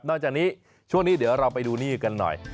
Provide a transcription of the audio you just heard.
จากนี้ช่วงนี้เดี๋ยวเราไปดูนี่กันหน่อย